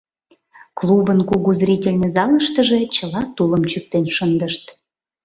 Клубын кугу зрительный залыштыже чыла тулым чӱктен шындышт.